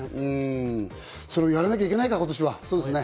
それをやらなけいけないか、今年は。